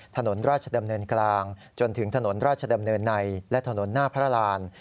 ถนนราชดำเนินกลางจนถึงถนนราชดำเนินในและถนนหน้าพระราน